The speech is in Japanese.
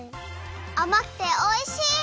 あまくておいしい！